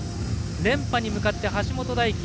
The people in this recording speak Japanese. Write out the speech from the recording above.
連覇に向かって橋本大輝